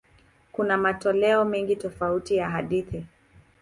Kuna matoleo mengi tofauti ya hadithi.